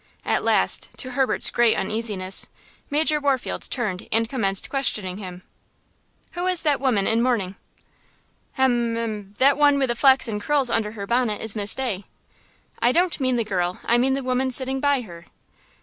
At last, to Herbert's great uneasiness, Major Warfield turned and commenced questioning him: "Who is that woman in mourning?" "Hem–m–that one with the flaxen curls under her bonnet is Miss Day." "I don't mean the girl, I mean the woman sitting by her?"